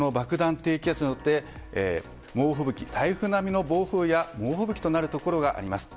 低気圧によって台風並みの暴風や猛吹雪となるところがあります。